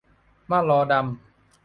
มรอดัม